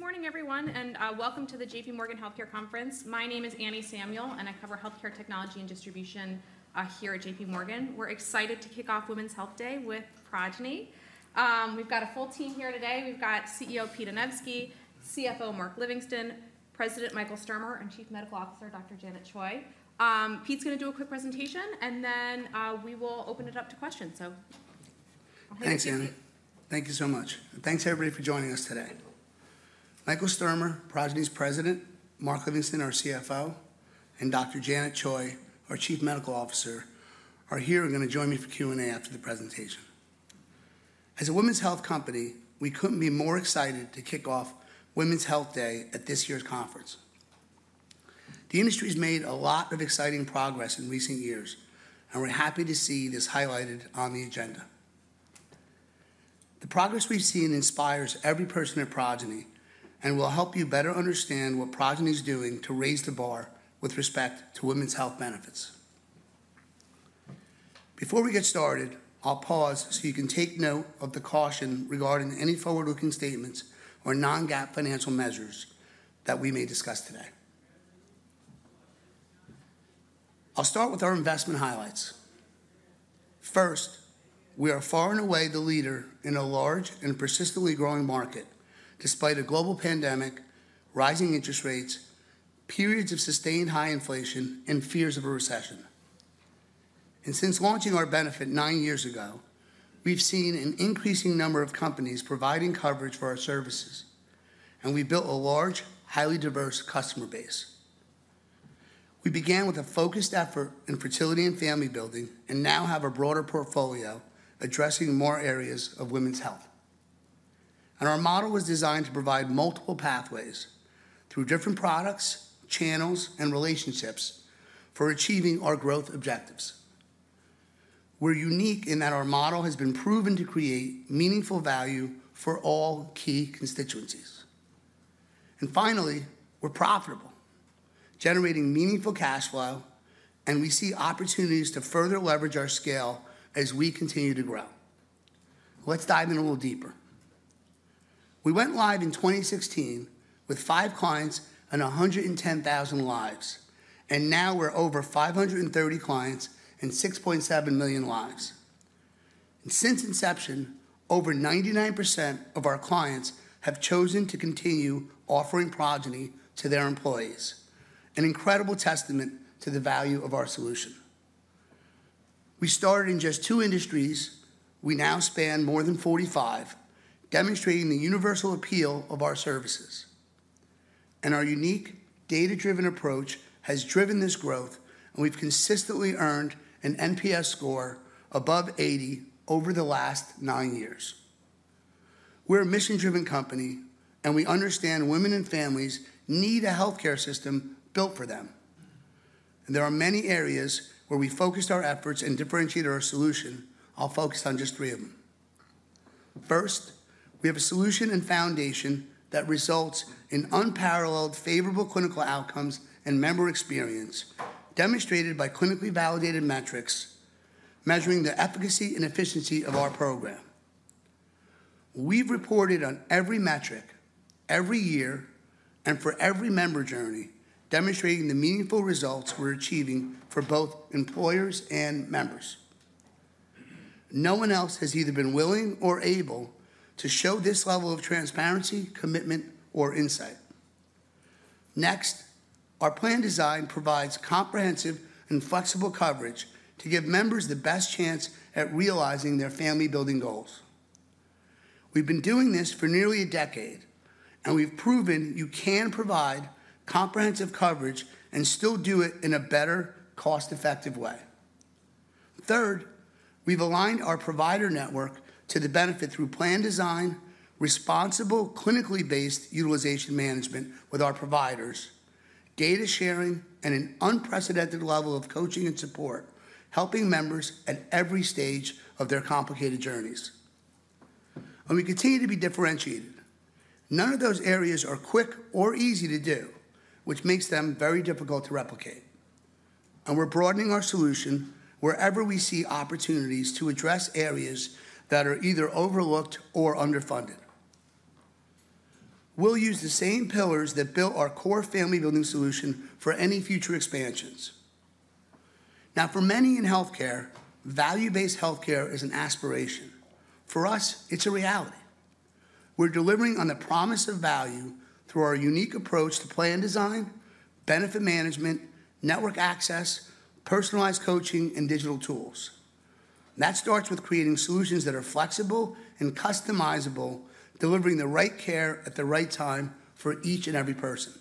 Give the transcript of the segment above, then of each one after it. Good morning, everyone, and welcome to the JPMorgan Healthcare Conference. My name is Annie Samuel, and I cover Healthcare Technology and Distribution here at JPMorgan. We're excited to kick off Women's Health Day with Progyny. We've got a full team here today. We've got CEO Pete Anevski, CFO Mark Livingston, President Michael Sturmer, and Chief Medical Officer Dr. Janet Choi. Pete's going to do a quick presentation, and then we will open it up to questions. Thanks, Annie. Thank you so much. Thanks, everybody, for joining us today. Michael Sturmer, Progyny's President, Mark Livingston, our CFO, and Dr. Janet Choi, our Chief Medical Officer, are here and going to join me for Q&A after the presentation. As a women's health company, we couldn't be more excited to kick off Women's Health Day at this year's conference. The industry has made a lot of exciting progress in recent years, and we're happy to see this highlighted on the agenda. The progress we've seen inspires every person at Progyny and will help you better understand what Progyny is doing to raise the bar with respect to women's health benefits. Before we get started, I'll pause so you can take note of the caution regarding any forward-looking statements or non-GAAP financial measures that we may discuss today. I'll start with our investment highlights. First, we are far and away the leader in a large and persistently growing market, despite a global pandemic, rising interest rates, periods of sustained high inflation, and fears of a recession. And since launching our benefit nine years ago, we've seen an increasing number of companies providing coverage for our services, and we've built a large, highly diverse customer base. We began with a focused effort in fertility and family building and now have a broader portfolio addressing more areas of women's health. And our model was designed to provide multiple pathways through different products, channels, and relationships for achieving our growth objectives. We're unique in that our model has been proven to create meaningful value for all key constituencies. And finally, we're profitable, generating meaningful cash flow, and we see opportunities to further leverage our scale as we continue to grow. Let's dive in a little deeper. We went live in 2016 with five clients and 110,000 lives, and now we're over 530 clients and 6.7 million lives. Since inception, over 99% of our clients have chosen to continue offering Progyny to their employees, an incredible testament to the value of our solution. We started in just two industries, we now span more than 45, demonstrating the universal appeal of our services, and our unique, data-driven approach has driven this growth, and we've consistently earned an NPS score above 80 over the last nine years. We're a mission-driven company, and we understand women and families need a healthcare system built for them, and there are many areas where we focused our efforts and differentiated our solution. I'll focus on just three of them. First, we have a solution and foundation that results in unparalleled favorable clinical outcomes and member experience, demonstrated by clinically validated metrics measuring the efficacy and efficiency of our program. We've reported on every metric, every year, and for every member journey, demonstrating the meaningful results we're achieving for both employers and members. No one else has either been willing or able to show this level of transparency, commitment, or insight. Next, our plan design provides comprehensive and flexible coverage to give members the best chance at realizing their family-building goals. We've been doing this for nearly a decade, and we've proven you can provide comprehensive coverage and still do it in a better, cost-effective way. Third, we've aligned our provider network to the benefit through plan design, responsible, clinically-based utilization management with our providers, data sharing, and an unprecedented level of coaching and support, helping members at every stage of their complicated journeys, and we continue to be differentiated. None of those areas are quick or easy to do, which makes them very difficult to replicate, and we're broadening our solution wherever we see opportunities to address areas that are either overlooked or underfunded. We'll use the same pillars that built our core family-building solution for any future expansions. Now, for many in healthcare, value-based healthcare is an aspiration. For us, it's a reality. We're delivering on the promise of value through our unique approach to plan design, benefit management, network access, personalized coaching, and digital tools. That starts with creating solutions that are flexible and customizable, delivering the right care at the right time for each and every person.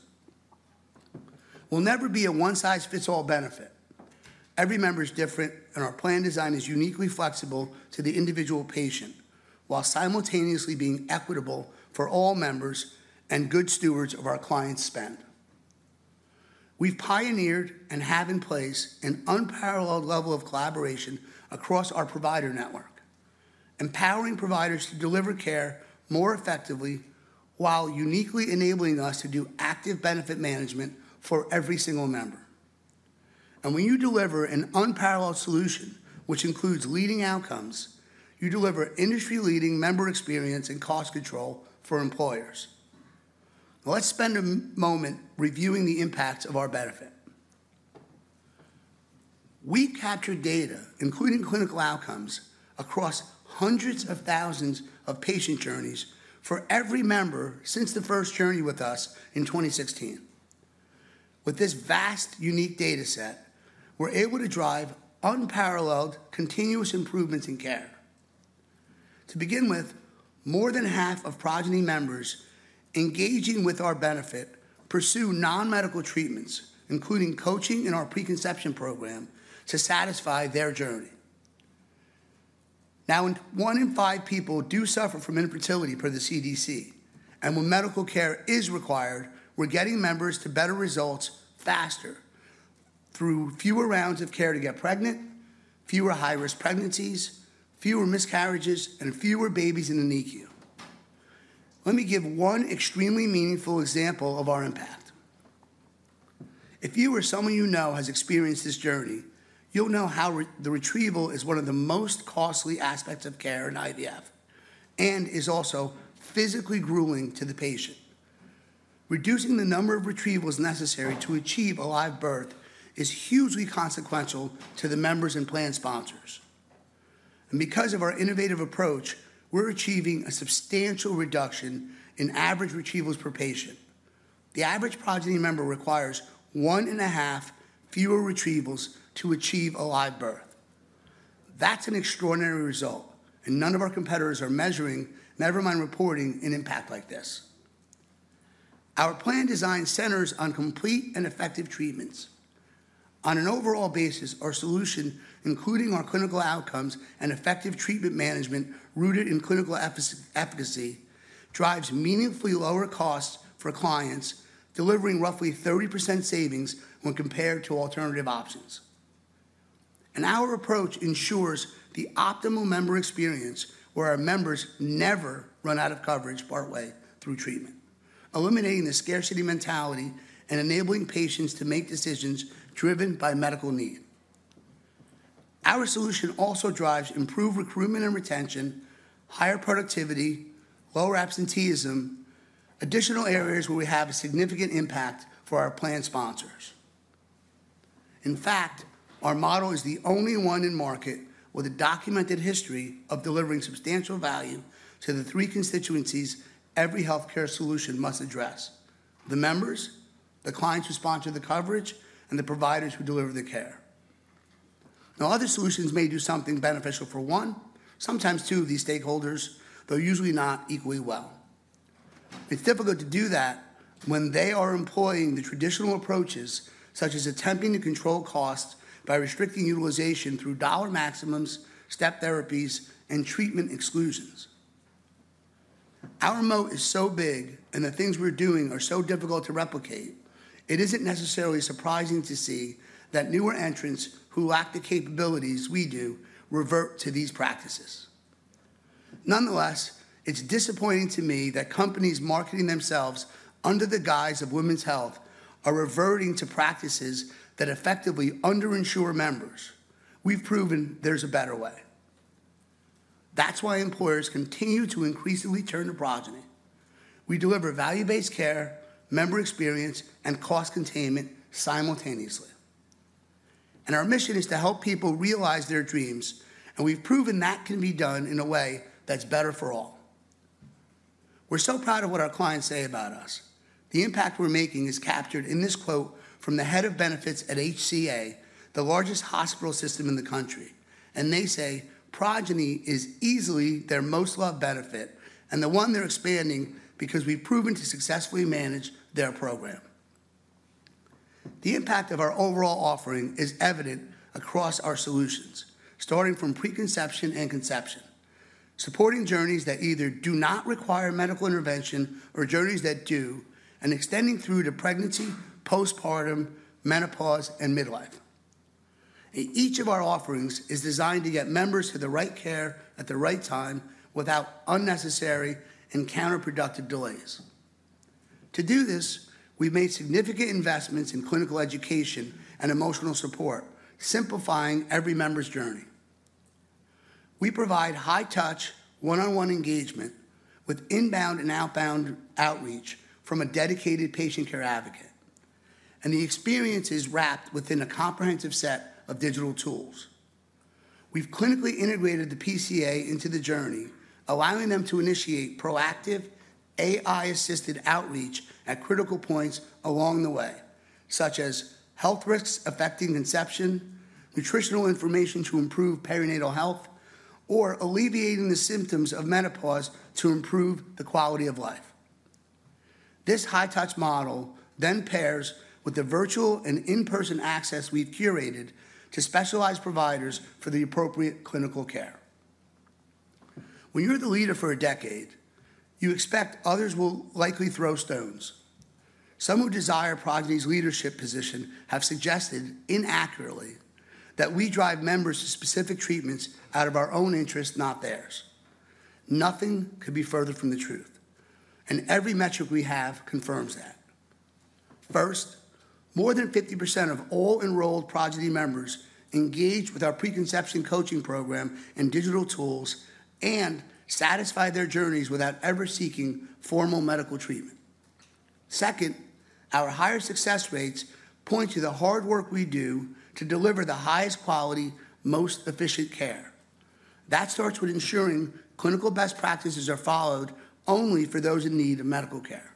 We'll never be a one-size-fits-all benefit. Every member is different, and our plan design is uniquely flexible to the individual patient while simultaneously being equitable for all members and good stewards of our clients' spend. We've pioneered and have in place an unparalleled level of collaboration across our provider network, empowering providers to deliver care more effectively while uniquely enabling us to do active benefit management for every single member. And when you deliver an unparalleled solution, which includes leading outcomes, you deliver industry-leading member experience and cost control for employers. Let's spend a moment reviewing the impacts of our benefit. We capture data, including clinical outcomes, across hundreds of thousands of patient journeys for every member since the first journey with us in 2016. With this vast, unique data set, we're able to drive unparalleled, continuous improvements in care. To begin with, more than half of Progyny members engaging with our benefit pursue non-medical treatments, including coaching in our preconception program, to satisfy their journey. Now, one in five people do suffer from infertility per the CDC, and when medical care is required, we're getting members to better results faster through fewer rounds of care to get pregnant, fewer high-risk pregnancies, fewer miscarriages, and fewer babies in the NICU. Let me give one extremely meaningful example of our impact. If you or someone you know has experienced this journey, you'll know how the retrieval is one of the most costly aspects of care in IVF and is also physically grueling to the patient. Reducing the number of retrievals necessary to achieve a live birth is hugely consequential to the members and plan sponsors. And because of our innovative approach, we're achieving a substantial reduction in average retrievals per patient. The average Progyny member requires one and a half fewer retrievals to achieve a live birth. That's an extraordinary result, and none of our competitors are measuring, never mind reporting, an impact like this. Our plan design centers on complete and effective treatments. On an overall basis, our solution, including our clinical outcomes and effective treatment management rooted in clinical efficacy, drives meaningfully lower costs for clients, delivering roughly 30% savings when compared to alternative options. And our approach ensures the optimal member experience where our members never run out of coverage partway through treatment, eliminating the scarcity mentality and enabling patients to make decisions driven by medical need. Our solution also drives improved recruitment and retention, higher productivity, lower absenteeism, additional areas where we have a significant impact for our plan sponsors. In fact, our model is the only one in market with a documented history of delivering substantial value to the three constituencies every healthcare solution must address: the members, the clients who sponsor the coverage, and the providers who deliver the care. Now, other solutions may do something beneficial for one, sometimes two of these stakeholders, though usually not equally well. It's difficult to do that when they are employing the traditional approaches, such as attempting to control costs by restricting utilization through dollar maximums, step therapies, and treatment exclusions. Our moat is so big, and the things we're doing are so difficult to replicate, it isn't necessarily surprising to see that newer entrants who lack the capabilities we do revert to these practices. Nonetheless, it's disappointing to me that companies marketing themselves under the guise of women's health are reverting to practices that effectively underinsure members. We've proven there's a better way. That's why employers continue to increasingly turn to Progyny. We deliver value-based care, member experience, and cost containment simultaneously, and our mission is to help people realize their dreams, and we've proven that can be done in a way that's better for all. We're so proud of what our clients say about us. The impact we're making is captured in this quote from the head of benefits at HCA, the largest hospital system in the country, and they say, "Progyny is easily their most-loved benefit and the one they're expanding because we've proven to successfully manage their program." The impact of our overall offering is evident across our solutions, starting from preconception and conception, supporting journeys that either do not require medical intervention or journeys that do, and extending through to pregnancy, postpartum, menopause, and midlife. Each of our offerings is designed to get members to the right care at the right time without unnecessary and counterproductive delays. To do this, we've made significant investments in clinical education and emotional support, simplifying every member's journey. We provide high-touch, one-on-one engagement with inbound and outbound outreach from a dedicated Patient Care Advocate. And the experience is wrapped within a comprehensive set of digital tools. We've clinically integrated the PCA into the journey, allowing them to initiate proactive AI-assisted outreach at critical points along the way, such as health risks affecting conception, nutritional information to improve perinatal health, or alleviating the symptoms of menopause to improve the quality of life. This high-touch model then pairs with the virtual and in-person access we've curated to specialized providers for the appropriate clinical care. When you're the leader for a decade, you expect others will likely throw stones. Some who desire Progyny's leadership position have suggested inaccurately that we drive members to specific treatments out of our own interest, not theirs. Nothing could be further from the truth, and every metric we have confirms that. First, more than 50% of all enrolled Progyny members engage with our preconception coaching program and digital tools and satisfy their journeys without ever seeking formal medical treatment. Second, our higher success rates point to the hard work we do to deliver the highest quality, most efficient care. That starts with ensuring clinical best practices are followed only for those in need of medical care,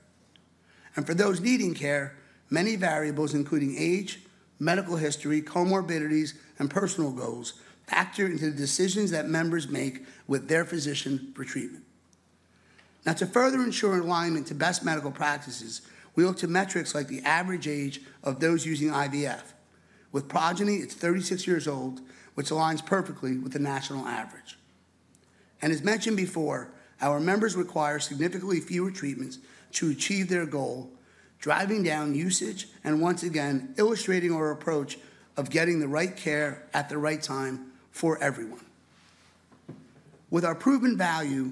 and for those needing care, many variables, including age, medical history, comorbidities, and personal goals, factor into the decisions that members make with their physician for treatment. Now, to further ensure alignment to best medical practices, we look to metrics like the average age of those using IVF. With Progyny, it's 36 years old, which aligns perfectly with the national average. And as mentioned before, our members require significantly fewer treatments to achieve their goal, driving down usage and once again illustrating our approach of getting the right care at the right time for everyone. With our proven value,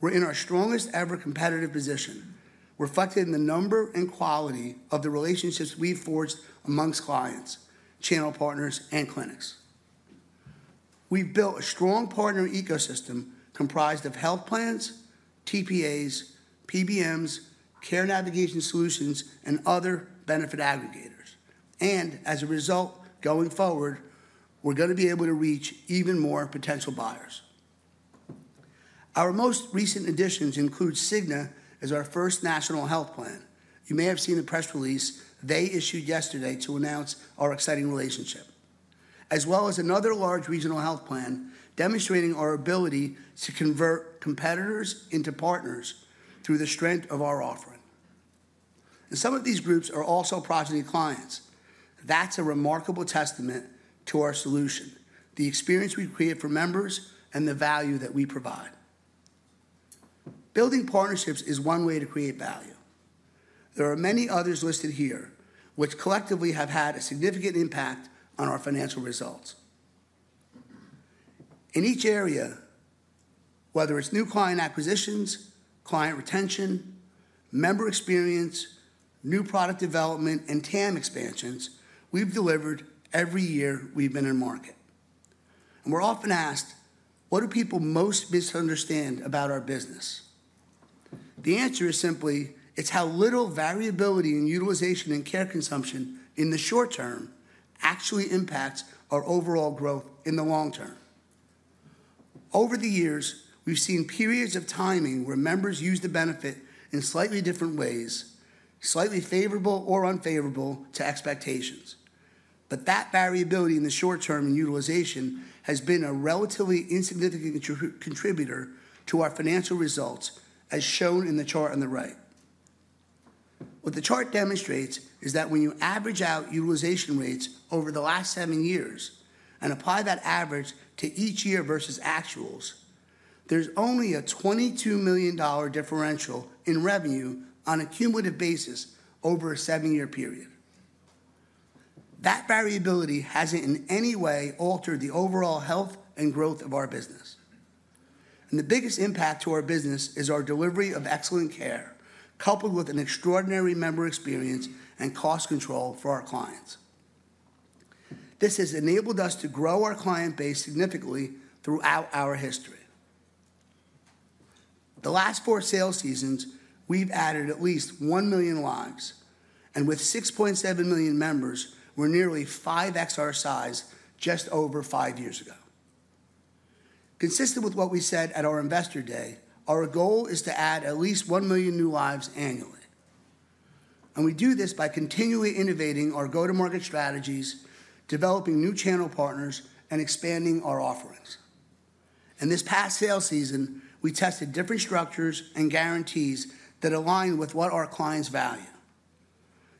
we're in our strongest ever competitive position, reflected in the number and quality of the relationships we've forged among clients, channel partners, and clinics. We've built a strong partner ecosystem comprised of health plans, TPAs, PBMs, care navigation solutions, and other benefit aggregators. And as a result, going forward, we're going to be able to reach even more potential buyers. Our most recent additions include Cigna as our first national health plan. You may have seen the press release they issued yesterday to announce our exciting relationship, as well as another large regional health plan demonstrating our ability to convert competitors into partners through the strength of our offering, and some of these groups are also Progyny clients. That's a remarkable testament to our solution, the experience we create for members, and the value that we provide. Building partnerships is one way to create value. There are many others listed here, which collectively have had a significant impact on our financial results. In each area, whether it's new client acquisitions, client retention, member experience, new product development, and TAM expansions, we've delivered every year we've been in market. And we're often asked, "What do people most misunderstand about our business?" The answer is simply, it's how little variability in utilization and care consumption in the short term actually impacts our overall growth in the long term. Over the years, we've seen periods of timing where members use the benefit in slightly different ways, slightly favorable or unfavorable to expectations. But that variability in the short term and utilization has been a relatively insignificant contributor to our financial results, as shown in the chart on the right. What the chart demonstrates is that when you average out utilization rates over the last seven years and apply that average to each year versus actuals, there's only a $22 million differential in revenue on a cumulative basis over a seven-year period. That variability hasn't in any way altered the overall health and growth of our business. And the biggest impact to our business is our delivery of excellent care, coupled with an extraordinary member experience and cost control for our clients. This has enabled us to grow our client base significantly throughout our history. The last four sales seasons, we've added at least one million lives. And with 6.7 million members, we're nearly 5x our size just over five years ago. Consistent with what we said at our Investor Day, our goal is to add at least one million new lives annually. And we do this by continually innovating our go-to-market strategies, developing new channel partners, and expanding our offerings. In this past sales season, we tested different structures and guarantees that align with what our clients value.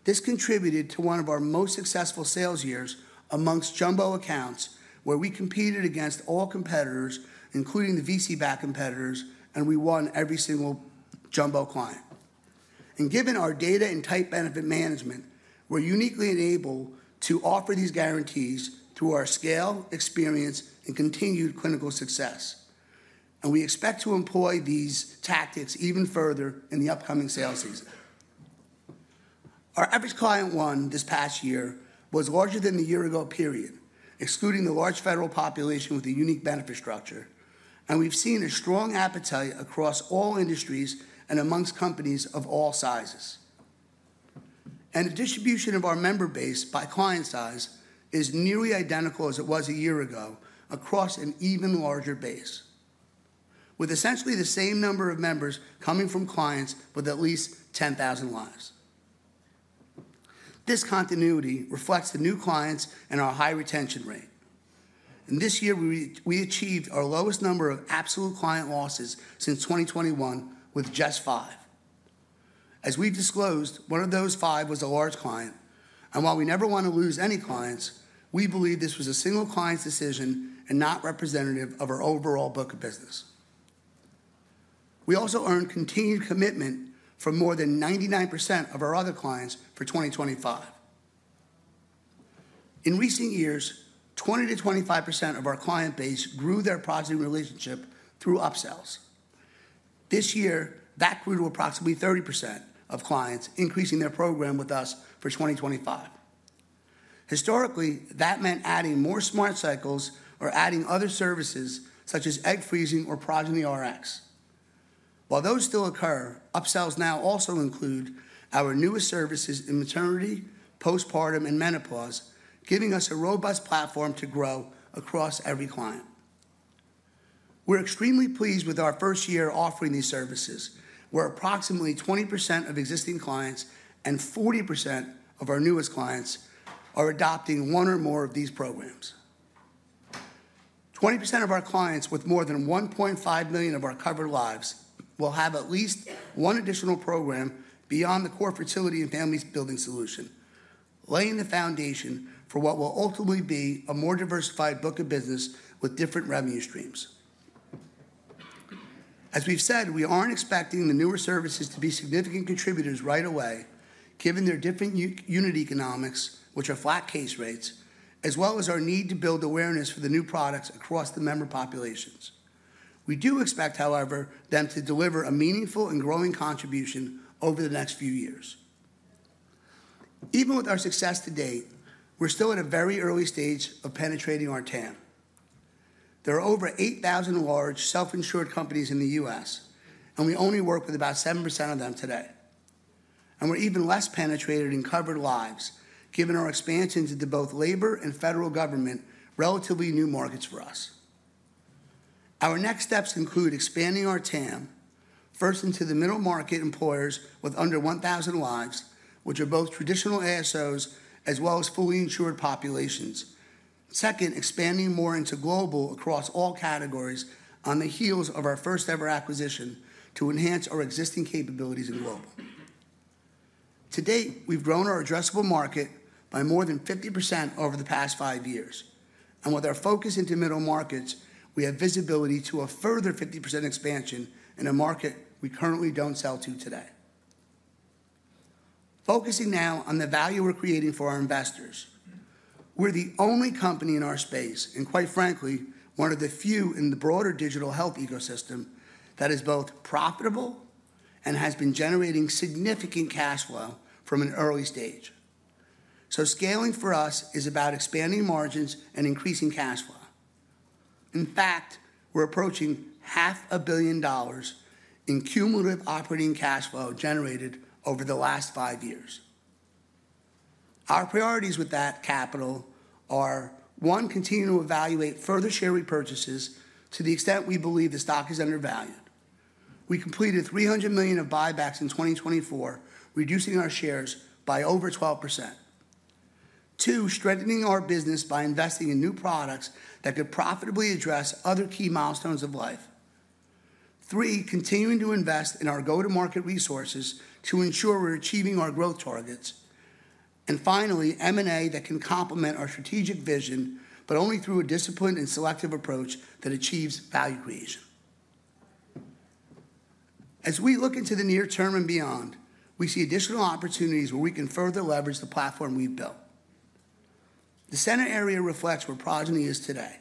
This contributed to one of our most successful sales years amongst jumbo accounts, where we competed against all competitors, including the VC-backed competitors, and we won every single jumbo client, and given our data and tight benefit management, we're uniquely enabled to offer these guarantees through our scale, experience, and continued clinical success, and we expect to employ these tactics even further in the upcoming sales season. Our average client won this past year was larger than the year-ago period, excluding the large federal population with a unique benefit structure, and we've seen a strong appetite across all industries and amongst companies of all sizes, and the distribution of our member base by client size is nearly identical as it was a year ago across an even larger base, with essentially the same number of members coming from clients with at least 10,000 lives. This continuity reflects the new clients and our high retention rate, and this year, we achieved our lowest number of absolute client losses since 2021 with just five. As we've disclosed, one of those five was a large client, and while we never want to lose any clients, we believe this was a single client's decision and not representative of our overall book of business. We also earned continued commitment from more than 99% of our other clients for 2025. In recent years, 20%-25% of our client base grew their Progyny relationship through upsells. This year, that grew to approximately 30% of clients, increasing their program with us for 2025. Historically, that meant adding more Smart Cycles or adding other services such as egg freezing or Progyny Rx. While those still occur, upsells now also include our newest services in maternity, postpartum, and menopause, giving us a robust platform to grow across every client. We're extremely pleased with our first year offering these services, where approximately 20% of existing clients and 40% of our newest clients are adopting one or more of these programs. 20% of our clients with more than 1.5 million of our covered lives will have at least one additional program beyond the core fertility and family-building solution, laying the foundation for what will ultimately be a more diversified book of business with different revenue streams. As we've said, we aren't expecting the newer services to be significant contributors right away, given their different unit economics, which are flat case rates, as well as our need to build awareness for the new products across the member populations. We do expect, however, them to deliver a meaningful and growing contribution over the next few years. Even with our success to date, we're still at a very early stage of penetrating our TAM. There are over 8,000 large self-insured companies in the U.S., and we only work with about 7% of them today, and we're even less penetrated in covered lives, given our expansion into both labor and federal government relatively new markets for us. Our next steps include expanding our TAM, first into the middle market employers with under 1,000 lives, which are both traditional ASOs as well as fully insured populations. Second, expanding more into global across all categories on the heels of our first-ever acquisition to enhance our existing capabilities in global. To date, we've grown our addressable market by more than 50% over the past five years. With our focus into middle markets, we have visibility to a further 50% expansion in a market we currently don't sell to today. Focusing now on the value we're creating for our investors, we're the only company in our space, and quite frankly, one of the few in the broader digital health ecosystem that is both profitable and has been generating significant cash flow from an early stage. Scaling for us is about expanding margins and increasing cash flow. In fact, we're approaching $500 million in cumulative operating cash flow generated over the last five years. Our priorities with that capital are one, continuing to evaluate further share repurchases to the extent we believe the stock is undervalued. We completed $300 million of buybacks in 2024, reducing our shares by over 12%. Two, strengthening our business by investing in new products that could profitably address other key milestones of life. Three, continuing to invest in our go-to-market resources to ensure we're achieving our growth targets. And finally, M&A that can complement our strategic vision, but only through a disciplined and selective approach that achieves value creation. As we look into the near term and beyond, we see additional opportunities where we can further leverage the platform we've built. The center area reflects where Progyny is today.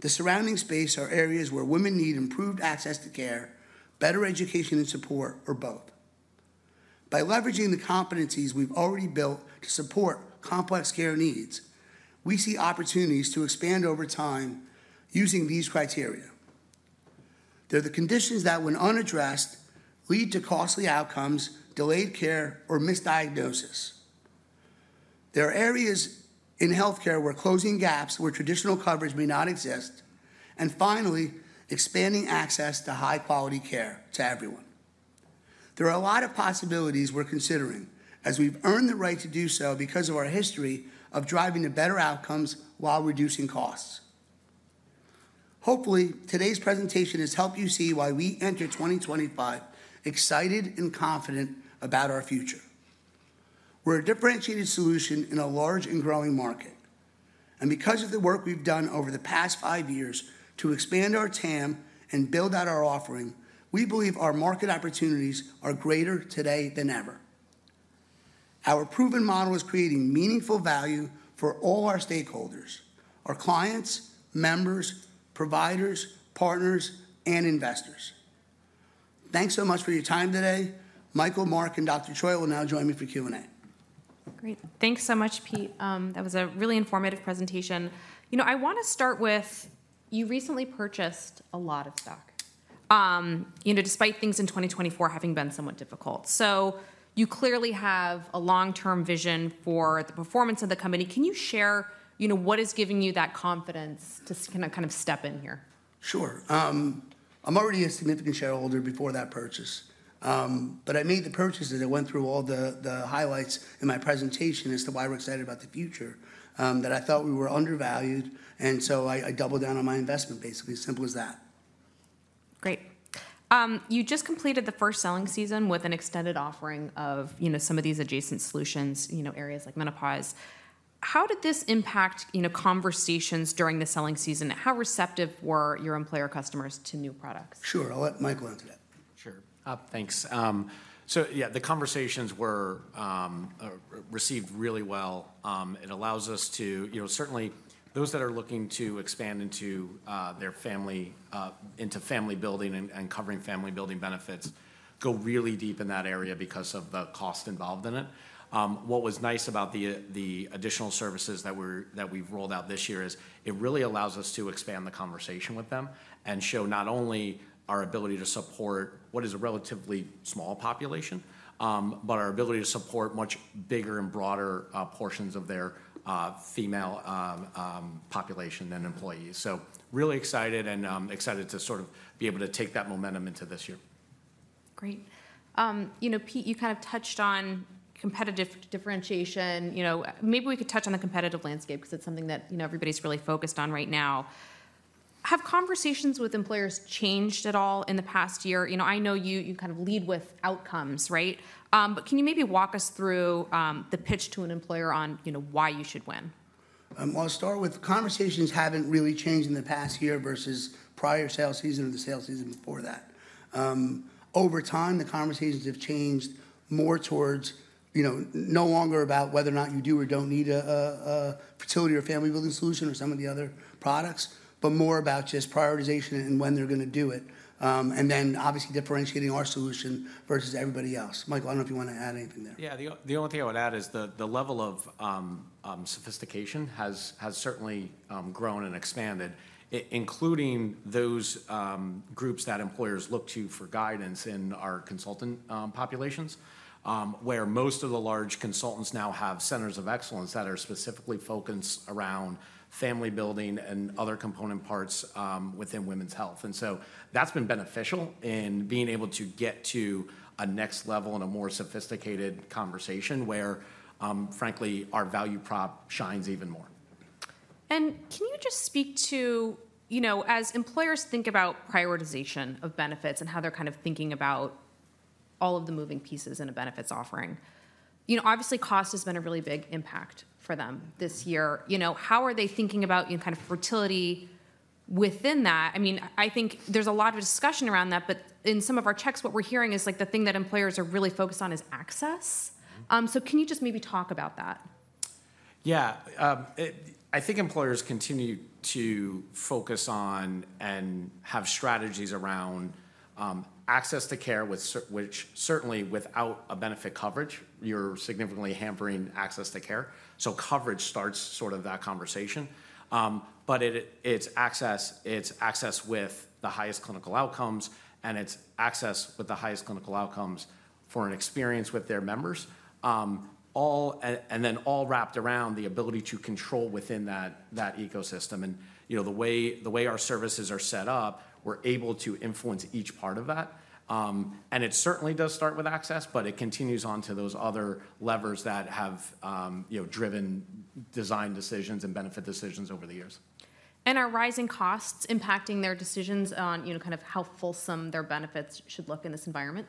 The surrounding space are areas where women need improved access to care, better education and support, or both. By leveraging the competencies we've already built to support complex care needs, we see opportunities to expand over time using these criteria. They're the conditions that, when unaddressed, lead to costly outcomes, delayed care, or misdiagnosis. There are areas in healthcare where closing gaps where traditional coverage may not exist. And finally, expanding access to high-quality care to everyone. There are a lot of possibilities we're considering as we've earned the right to do so because of our history of driving to better outcomes while reducing costs. Hopefully, today's presentation has helped you see why we enter 2025 excited and confident about our future. We're a differentiated solution in a large and growing market. And because of the work we've done over the past five years to expand our TAM and build out our offering, we believe our market opportunities are greater today than ever. Our proven model is creating meaningful value for all our stakeholders: our clients, members, providers, partners, and investors. Thanks so much for your time today. Michael, Mark, and Dr. Choi will now join me for Q&A. Great. Thanks so much, Pete. That was a really informative presentation. You know, I want to start with you recently purchased a lot of stock, despite things in 2024 having been somewhat difficult. So you clearly have a long-term vision for the performance of the company. Can you share what is giving you that confidence to kind of step in here? Sure. I'm already a significant shareholder before that purchase. But I made the purchase as I went through all the highlights in my presentation as to why we're excited about the future, that I thought we were undervalued. And so I doubled down on my investment, basically. Great. You just completed the first selling season with an extended offering of some of these adjacent solutions, areas like menopause. How did this impact conversations during the selling season? How receptive were your employer customers to new products? Sure. I'll let Michael answer that. Sure. Thanks. So yeah, the conversations were received really well. It allows us to certainly, those that are looking to expand into their family, into family building and covering family building benefits, go really deep in that area because of the cost involved in it. What was nice about the additional services that we've rolled out this year is it really allows us to expand the conversation with them and show not only our ability to support what is a relatively small population, but our ability to support much bigger and broader portions of their female population and employees. So really excited and excited to sort of be able to take that momentum into this year. Great. Pete, you kind of touched on competitive differentiation. Maybe we could touch on the competitive landscape because it's something that everybody's really focused on right now. Have conversations with employers changed at all in the past year? I know you kind of lead with outcomes, right? But can you maybe walk us through the pitch to an employer on why you should win? I'll start with conversations haven't really changed in the past year versus prior sales season or the sales season before that. Over time, the conversations have changed more towards no longer about whether or not you do or don't need a fertility or family-building solution or some of the other products, but more about just prioritization and when they're going to do it. And then obviously differentiating our solution versus everybody else. Michael, I don't know if you want to add anything there. Yeah. The only thing I would add is the level of sophistication has certainly grown and expanded, including those groups that employers look to for guidance in our consultant populations, where most of the large consultants now have Centers of Excellence that are specifically focused around family building and other component parts within women's health. And so that's been beneficial in being able to get to a next level and a more sophisticated conversation where, frankly, our value prop shines even more. And can you just speak to, as employers think about prioritization of benefits and how they're kind of thinking about all of the moving pieces in a benefits offering? Obviously, cost has been a really big impact for them this year. How are they thinking about kind of fertility within that? I mean, I think there's a lot of discussion around that, but in some of our checks, what we're hearing is the thing that employers are really focused on is access. So can you just maybe talk about that? Yeah, I think employers continue to focus on and have strategies around access to care, which certainly, without a benefit coverage, you're significantly hampering access to care, so coverage starts sort of that conversation, but it's access with the highest clinical outcomes, and it's access with the highest clinical outcomes for an experience with their members, and then all wrapped around the ability to control within that ecosystem, and the way our services are set up, we're able to influence each part of that, and it certainly does start with access, but it continues on to those other levers that have driven design decisions and benefit decisions over the years. And are rising costs impacting their decisions on kind of how fulsome their benefits should look in this environment?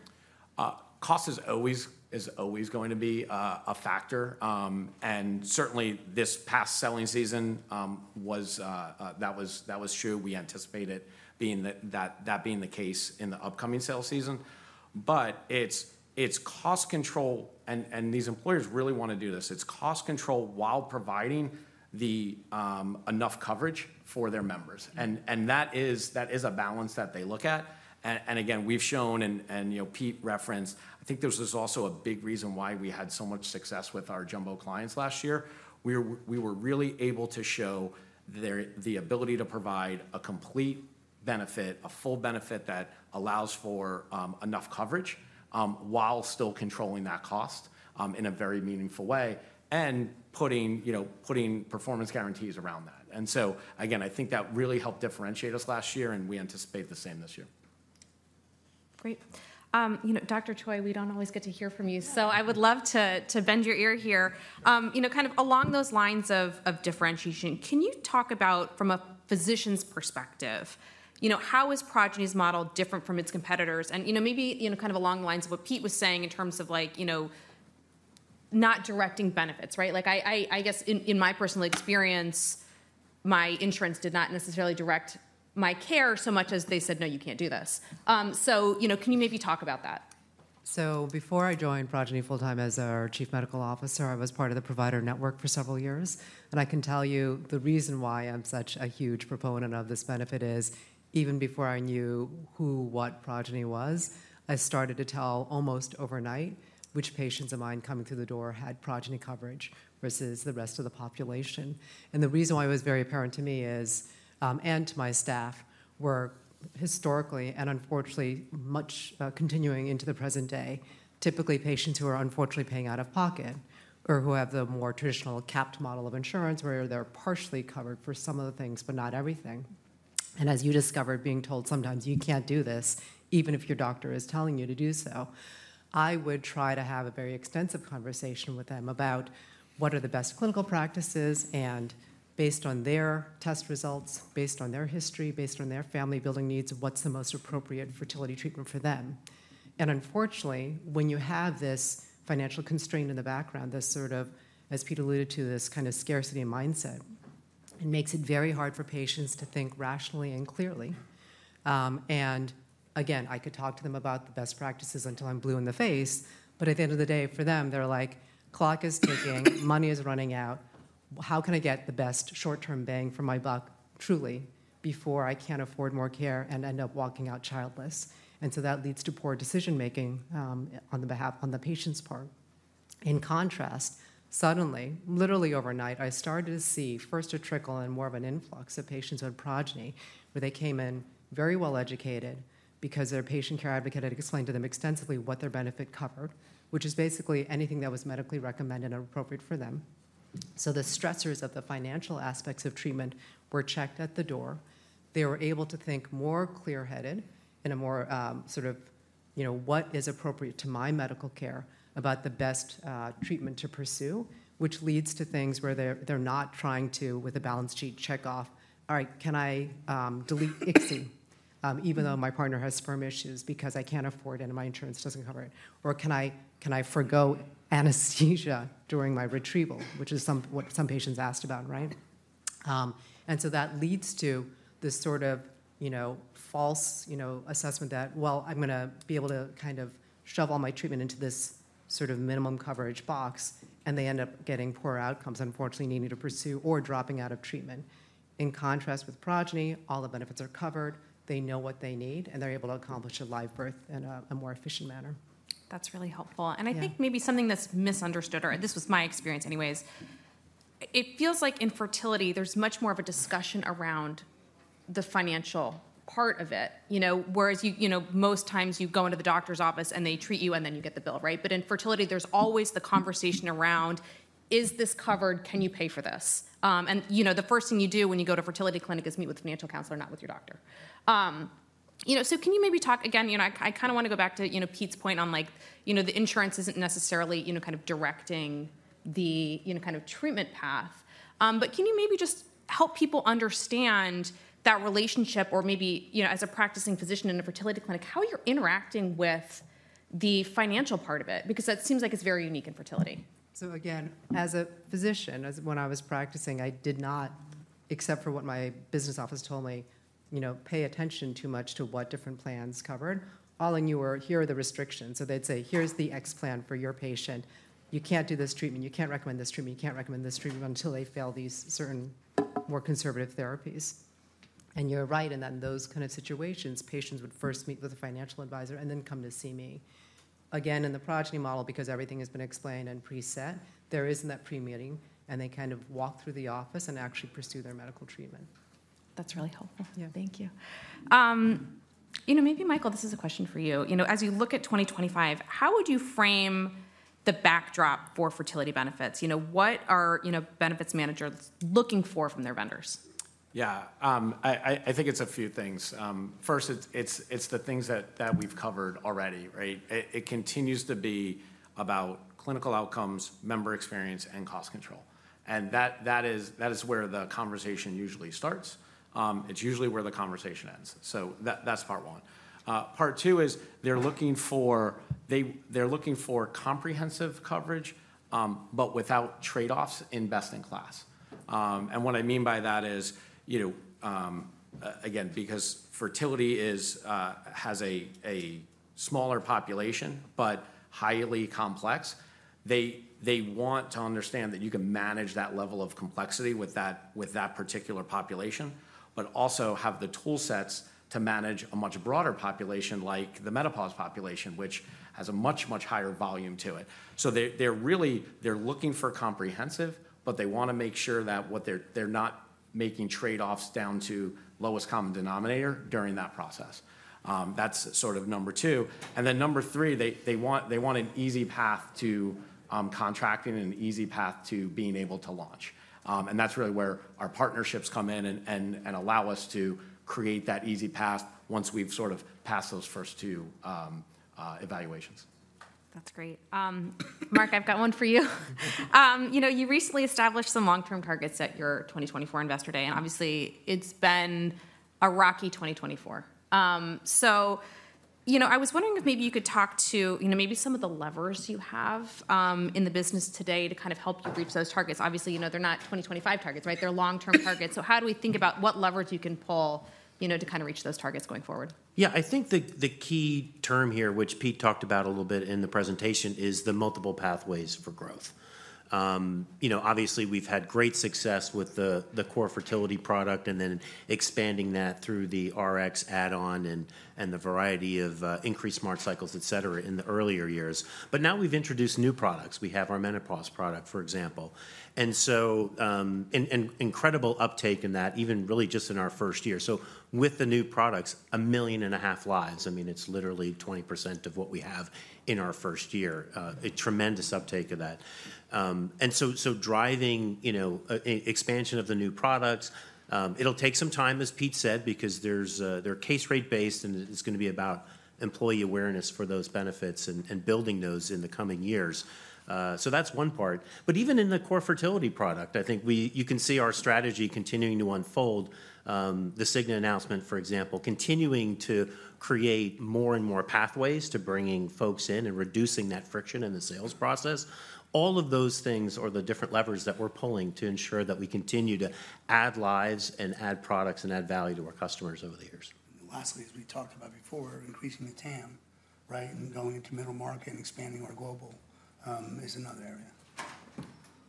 Cost is always going to be a factor. And certainly, this past selling season, that was true. We anticipated that being the case in the upcoming sales season. But it's cost control, and these employers really want to do this. It's cost control while providing enough coverage for their members. And that is a balance that they look at. And again, we've shown, and Pete referenced. I think there's also a big reason why we had so much success with our jumbo clients last year. We were really able to show the ability to provide a complete benefit, a full benefit that allows for enough coverage while still controlling that cost in a very meaningful way and putting performance guarantees around that. And so again, I think that really helped differentiate us last year, and we anticipate the same this year. Great. Dr. Choi, we don't always get to hear from you, so I would love to bend your ear here. Kind of along those lines of differentiation, can you talk about, from a physician's perspective, how is Progyny's model different from its competitors? And maybe kind of along the lines of what Pete was saying in terms of not directing benefits, right? I guess in my personal experience, my insurance did not necessarily direct my care so much as they said, "No, you can't do this." So can you maybe talk about that? So before I joined Progyny full-time as our Chief Medical Officer, I was part of the provider network for several years. I can tell you the reason why I'm such a huge proponent of this benefit is even before I knew who what Progyny was, I started to tell almost overnight which patients of mine coming through the door had Progyny coverage versus the rest of the population. The reason why it was very apparent to me is, and to my staff, were historically and unfortunately much continuing into the present day, typically patients who are unfortunately paying out of pocket or who have the more traditional capped model of insurance where they're partially covered for some of the things, but not everything. And as you discovered, being told sometimes you can't do this even if your doctor is telling you to do so, I would try to have a very extensive conversation with them about what are the best clinical practices and based on their test results, based on their history, based on their family-building needs, what's the most appropriate fertility treatment for them. And unfortunately, when you have this financial constraint in the background, this sort of, as Pete alluded to, this kind of scarcity mindset, it makes it very hard for patients to think rationally and clearly. And again, I could talk to them about the best practices until I'm blue in the face. But at the end of the day, for them, they're like, "Clock is ticking, money is running out. How can I get the best short-term bang for my buck truly before I can't afford more care and end up walking out childless?" And so that leads to poor decision-making on the patient's part. In contrast, suddenly, literally overnight, I started to see first a trickle and more of an influx of patients on Progyny where they came in very well educated because their patient care advocate had explained to them extensively what their benefit covered, which is basically anything that was medically recommended and appropriate for them. So the stressors of the financial aspects of treatment were checked at the door. They were able to think more clear-headed in a more sort of, "What is appropriate to my medical care about the best treatment to pursue?" which leads to things where they're not trying to, with a balance sheet, check off, "All right, can I delete ICSI even though my partner has sperm issues because I can't afford it and my insurance doesn't cover it?" Or, "Can I forgo anesthesia during my retrieval?" which is what some patients asked about, right? And so that leads to this sort of false assessment that, "Well, I'm going to be able to kind of shove all my treatment into this sort of minimum coverage box," and they end up getting poor outcomes, unfortunately needing to pursue or dropping out of treatment. In contrast with Progyny, all the benefits are covered. They know what they need, and they're able to accomplish a live birth in a more efficient manner. That's really helpful. And I think maybe something that's misunderstood, or this was my experience anyways, it feels like in fertility, there's much more of a discussion around the financial part of it. Whereas most times you go into the doctor's office and they treat you, and then you get the bill, right? But in fertility, there's always the conversation around, "Is this covered? Can you pay for this?" And the first thing you do when you go to a fertility clinic is meet with a financial counselor, not with your doctor. So can you maybe talk again? I kind of want to go back to Pete's point on the insurance isn't necessarily kind of directing the kind of treatment path. But can you maybe just help people understand that relationship or maybe as a practicing physician in a fertility clinic, how you're interacting with the financial part of it? Because that seems like it's very unique in fertility. So again, as a physician, when I was practicing, I did not, except for what my business office told me, pay attention too much to what different plans covered. All I knew were, "Here are the restrictions." So they'd say, "Here's the X plan for your patient. You can't do this treatment. You can't recommend this treatment. You can't recommend this treatment until they fail these certain more conservative therapies." And you're right. And then those kind of situations, patients would first meet with a financial advisor and then come to see me. Again, in the Progyny model, because everything has been explained and preset, there isn't that pre-meeting, and they kind of walk through the office and actually pursue their medical treatment. That's really helpful. Thank you. Maybe, Michael, this is a question for you. As you look at 2025, how would you frame the backdrop for fertility benefits? What are benefits managers looking for from their vendors? Yeah. I think it's a few things. First, it's the things that we've covered already, right? It continues to be about clinical outcomes, member experience, and cost control. And that is where the conversation usually starts. It's usually where the conversation ends. So that's part one. Part two is they're looking for comprehensive coverage, but without trade-offs in best-in-class. And what I mean by that is, again, because fertility has a smaller population but highly complex, they want to understand that you can manage that level of complexity with that particular population, but also have the toolsets to manage a much broader population like the menopause population, which has a much, much higher volume to it. So they're looking for comprehensive, but they want to make sure that they're not making trade-offs down to lowest common denominator during that process. That's sort of number two. And then number three, they want an easy path to contracting and an easy path to being able to launch. And that's really where our partnerships come in and allow us to create that easy path once we've sort of passed those first two evaluations. That's great. Mark, I've got one for you. You recently established some long-term targets at your 2024 Investor Day, and obviously, it's been a rocky 2024. So I was wondering if maybe you could talk to maybe some of the levers you have in the business today to kind of help you reach those targets. Obviously, they're not 2025 targets, right? They're long-term targets. So how do we think about what levers you can pull to kind of reach those targets going forward? Yeah. I think the key term here, which Pete talked about a little bit in the presentation, is the multiple pathways for growth. Obviously, we've had great success with the core fertility product and then expanding that through the Rx add-on and the variety of increased Smart Cycles, etc., in the earlier years. But now we've introduced new products. We have our menopause product, for example. And incredible uptake in that, even really just in our first year. So with the new products, 1.5 million lives. I mean, it's literally 20% of what we have in our first year. A tremendous uptake of that. And so driving expansion of the new products, it'll take some time, as Pete said, because they're case-rated based and it's going to be about employee awareness for those benefits and building those in the coming years. So that's one part. But even in the core fertility product, I think you can see our strategy continuing to unfold. The Cigna announcement, for example, continuing to create more and more pathways to bringing folks in and reducing that friction in the sales process. All of those things are the different levers that we're pulling to ensure that we continue to add lives and add products and add value to our customers over the years. Lastly, as we talked about before, increasing the TAM, right, and going into middle market and expanding our global is another area.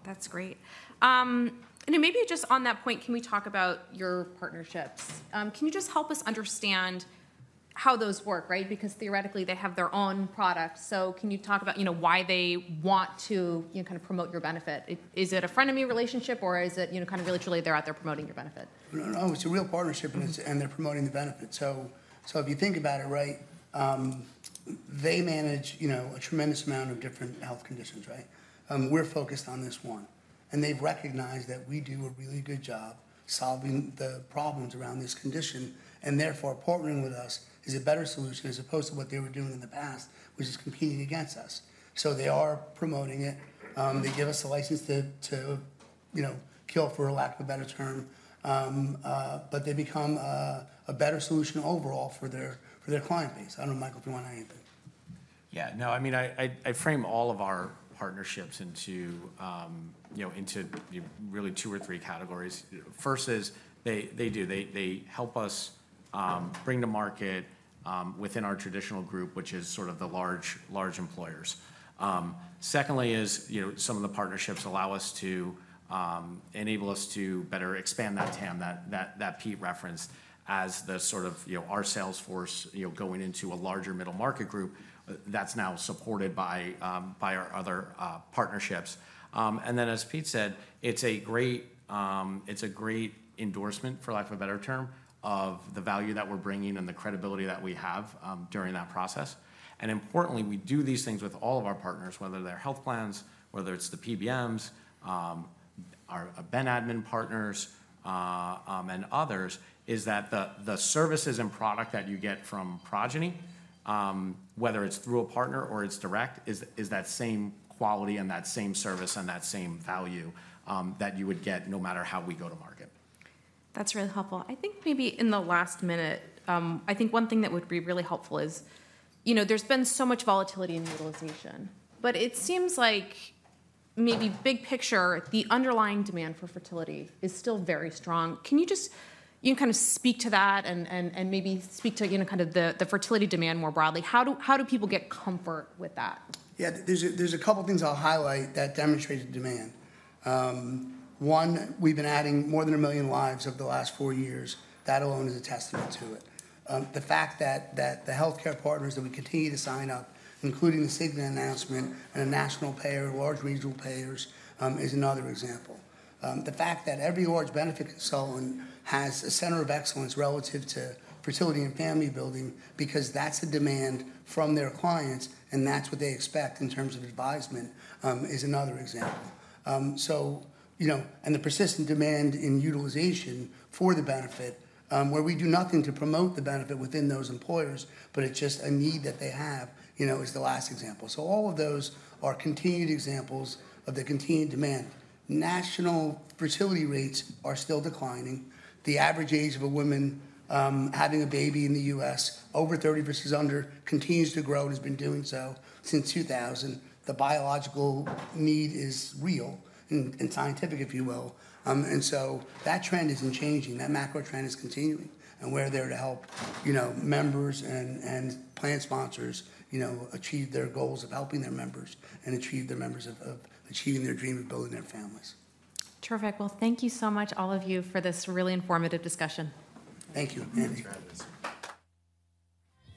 That's great. And maybe just on that point, can we talk about your partnerships? Can you just help us understand how those work, right? Because theoretically, they have their own products. So can you talk about why they want to kind of promote your benefit? Is it a frenemy relationship, or is it kind of really, truly they're out there promoting your benefit? No, it's a real partnership, and they're promoting the benefit. So if you think about it, right, they manage a tremendous amount of different health conditions, right? We're focused on this one. And they've recognized that we do a really good job solving the problems around this condition. And therefore, partnering with us is a better solution as opposed to what they were doing in the past, which is competing against us. So they are promoting it. They give us a license to kill for a lack of a better term, but they become a better solution overall for their client base. I don't know, Michael, if you want to add anything. Yeah. No, I mean, I frame all of our partnerships into really two or three categories. First is they do. They help us bring to market within our traditional group, which is sort of the large employers. Secondly, some of the partnerships allow us to enable us to better expand that TAM that Pete referenced as the sort of our salesforce going into a larger middle market group that's now supported by our other partnerships. And then, as Pete said, it's a great endorsement, for lack of a better term, of the value that we're bringing and the credibility that we have during that process. And importantly, we do these things with all of our partners, whether they're health plans, whether it's the PBMs, our benefits admin partners, and others, is that the services and product that you get from Progyny, whether it's through a partner or it's direct, is that same quality and that same service and that same value that you would get no matter how we go to market. That's really helpful. I think maybe in the last minute, I think one thing that would be really helpful is there's been so much volatility in utilization, but it seems like maybe big picture, the underlying demand for fertility is still very strong. Can you just kind of speak to that and maybe speak to kind of the fertility demand more broadly? How do people get comfort with that? Yeah. There's a couple of things I'll highlight that demonstrate demand. One, we've been adding more than a million lives over the last four years. That alone is a testament to it. The fact that the healthcare partners that we continue to sign up, including the Cigna announcement and the national payer, large regional payers, is another example. The fact that every large benefit consultant has a center of excellence relative to fertility and family building because that's the demand from their clients and that's what they expect in terms of advisement is another example. And the persistent demand in utilization for the benefit, where we do nothing to promote the benefit within those employers, but it's just a need that they have, is the last example. So all of those are continued examples of the continued demand. National fertility rates are still declining. The average age of a woman having a baby in the U.S., over 30 versus under, continues to grow and has been doing so since 2000. The biological need is real and scientific, if you will. And so that trend isn't changing. That macro trend is continuing. We're there to help members and plan sponsors achieve their goals of helping their members achieve their dream of building their families. Terrific. Thank you so much, all of you, for this really informative discussion. Thank you. Thanks for having us.